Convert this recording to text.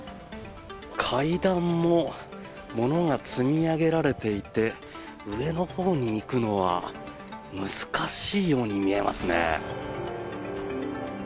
階段も物が積み上げられていて上のほうに行くのは難しいように見えますね。